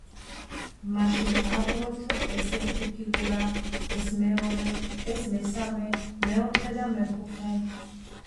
მაშინ ავიღოთ ეს ერთი ფიგურა, ეს მეორე, ეს მესამე, მეოთხე და მეხუთე.